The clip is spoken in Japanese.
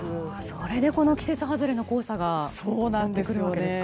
それでこの季節外れの黄砂がやってくるんですか。